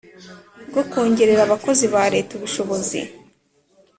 bwo kongerera abakozi ba Leta ubushobozi